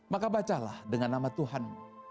maka bacalah dengan nama tuhan